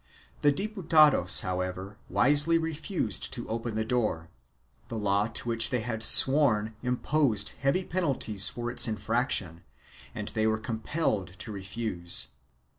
The Diputados however wisely refused to open the door ; the law to which they had sworn im posed heavy penalties for its infraction and they were com pelled to refuse.